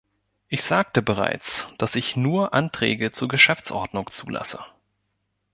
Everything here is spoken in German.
Ich sagte bereits, dass ich nur Anträge zur Geschäftsordnung zulasse.